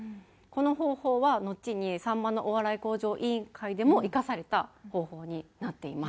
この方法はのちに『さんまのお笑い向上委員会』でも生かされた方法になっています。